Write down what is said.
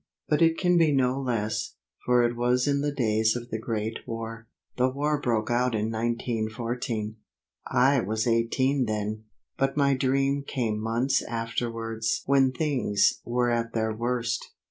But it can be no less, for it was in the days of the Great War. The war broke out in 1914 I was eighteen then! but my dream came months afterwards when things were at their worst.